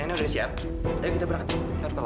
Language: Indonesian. udah siap kita berarti terlalu